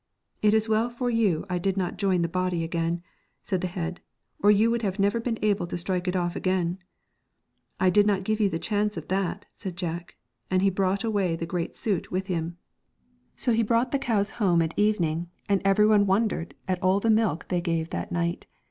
'It is well for you I did not join the body again,' said the head, ' or you would have never been able to strike it off again.' ' I did not give you the chance of that,' said Jack. And he brought away the great suit with him. 2I 5 So he brought the cows home at evening, and every one wondered at all the milk they gave that night.